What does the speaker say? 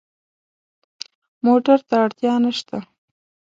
موټر ته اړتیا نه شته.